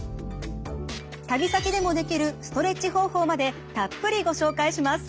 旅先でもできるストレッチ方法までたっぷりご紹介します。